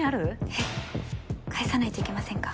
えっ返さないといけませんか？